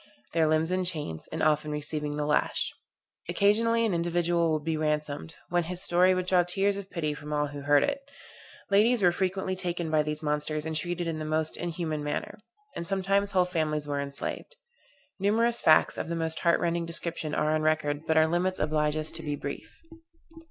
Their limbs in chains, and often receiving the lash. Occasionally an individual would be ransomed; when his story would draw tears of pity from all who heard it. Ladies were frequently taken by these monsters and treated in the most inhuman manner. And sometimes whole families were enslaved. Numerous facts, of the most heart rending description are on record: but our limits oblige us to be brief.